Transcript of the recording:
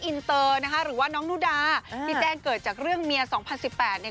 อินเตอร์นะคะหรือว่าน้องนุดาที่แจ้งเกิดจากเรื่องเมียสองพันสิบแปดเนี่ย